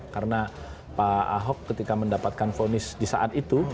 karena pak ahok ketika mendapatkan vonis di saat itu